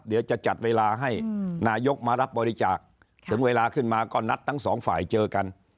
เดี๋ยวจะจัดเวลาให้นายกมารับบริจาคถึงเวลาขึ้นมาก็นัดทั้งสองฝ่ายเจอกัน